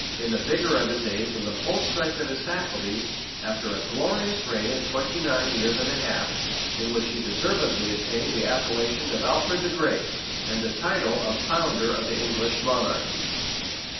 } in the vigor of his age and the full strength of his faculties, after a glorious reign of twenty nine years and a half,[] in which he deservedly attained the appellation of Alfred the Great, and the title of founder of the English monarchy.